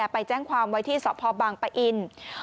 ไปแจ้งความไว้ที่สพบางปะอิน